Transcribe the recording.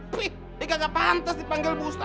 pih ini gak pantas dipanggil bust aja